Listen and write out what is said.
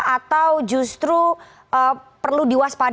atau justru perlu diwaspadai